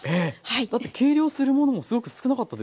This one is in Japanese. だって計量するものもすごく少なかったですよね。